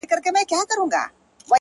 o بدكارمو كړی چي وركړي مو هغو ته زړونه،